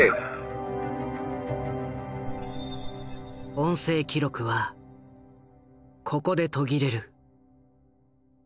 音声記録はここで途切れる。